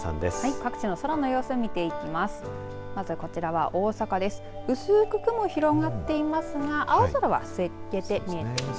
各地の空の様子を見ていきます。